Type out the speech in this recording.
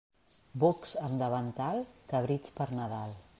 Bocs amb davantal, cabrits per Nadal.